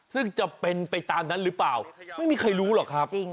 ซึ่งจะเป็นไปตามนั้นหรือเปล่าไม่มีใครรู้หรอกครับ